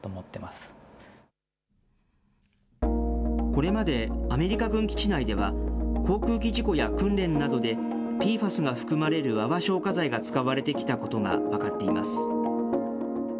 これまでアメリカ軍基地内では、航空機事故や訓練などでＰＦＡＳが含まれる泡消火剤が使われてきたことが分かっています。